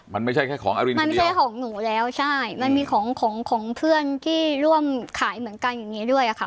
มันไม่ใช่แค่ของอรินมันไม่ใช่ของหนูแล้วใช่มันมีของของเพื่อนที่ร่วมขายเหมือนกันอย่างนี้ด้วยอะค่ะ